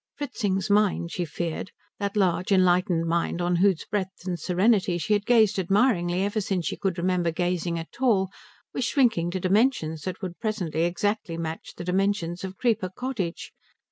Fritzing's mind, she feared, that large, enlightened mind on whose breadth and serenity she had gazed admiringly ever since she could remember gazing at all, was shrinking to dimensions that would presently exactly match the dimensions of Creeper Cottage.